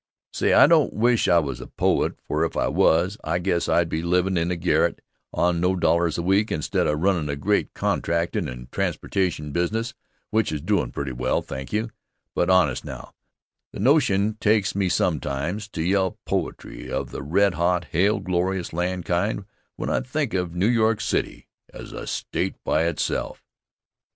Say, I don't wish I was a poet, for if I was, I guess I'd be livin' in a garret on no dollars a week instead of runnin' a great contractin' and transportation business which is doin' pretty well, thank you; but, honest, now, the notion takes me sometimes to yell poetry of the red hot hail glorious land kind when I think of New York City as a state by itself.